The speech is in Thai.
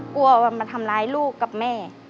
กลัวว่ามาทำร้ายลูกกับแม่